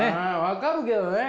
分かるけどね。